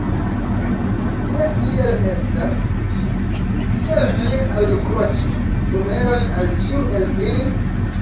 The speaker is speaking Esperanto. Se tiel estas, kial ne alkroĉi numeron al ĉiu el ili?